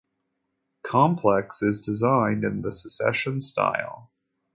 Complex is designed in the Secession style.